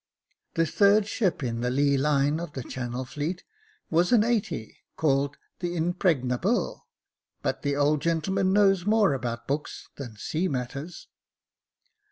The third ship in the lee line of the Channel Fleet was a eighty, called the Impregnable, but the old gentleman knows more about books than sea matters."